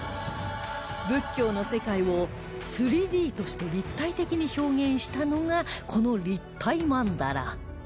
仏教の世界を ３Ｄ として立体的に表現したのがこの立体曼荼羅